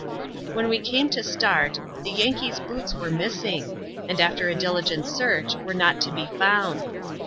27d When we came to start, the Yankee's boots were missing ; and, after a diligent search, were not to be found.